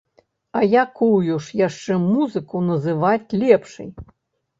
А якую ж яшчэ музыку называць лепшай!?